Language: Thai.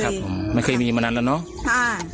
ครับมันเคยมีอย่างเหมือนนั้นแล้วเนาะ